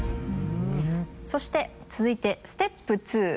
そして続いてステップ２。